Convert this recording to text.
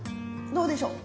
どうでしょう？